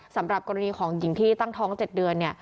สำหรับกรณีของหญิงที่ตั้งท้อง๗เดือนเนี่ย